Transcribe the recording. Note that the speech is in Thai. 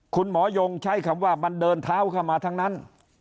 คุณหมอยงใช้คำว่ามันเดินเท้าเข้ามาทั้งนั้น